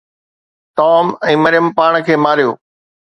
Tom ۽ مريم پاڻ کي ماريو